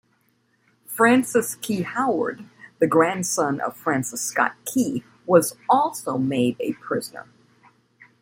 Francis Key Howard, the grandson of Francis Scott Key was also made a prisoner.